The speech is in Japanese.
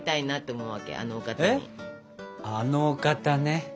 あのお方ね？